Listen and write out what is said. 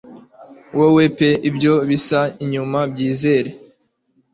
Wowe pe ibyo bisa inyuma byizera